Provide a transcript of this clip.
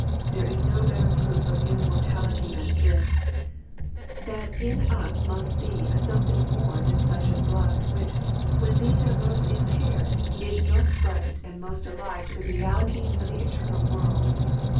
There is no better proof of immortality than this : that in us must be a something more than flesh and blood, which, when these are most impaired, " (gcii tall surely biait gan." 185 is most bright and most alive to the realities of the eternal world.